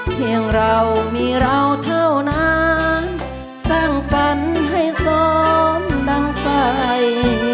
เพียงเรามีเราเท่านั้นสร้างฝันให้สมดังไฟ